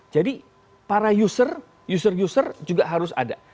jadi para user user user juga harus ada